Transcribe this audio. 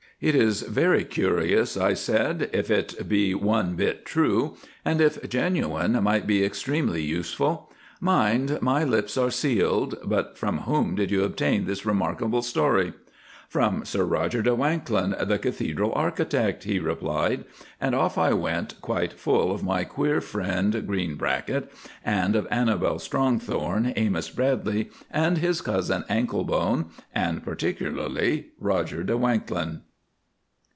"It is very curious," I said, "if it be one bit true; and if genuine, might be extremely useful. Mind my lips are sealed. But from whom did you obtain this remarkable story?" "From Sir Rodger de Wanklyn, the Cathedral architect," he replied, and off I went quite full of my queer friend, Greenbracket, and of Annabel Strongthorn, Amos Bradleigh, and his cousin Anklebone, and particularly Rodger de Wanklyn.